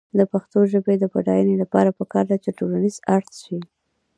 د پښتو ژبې د بډاینې لپاره پکار ده چې ټولنیز اړخ ښه شي.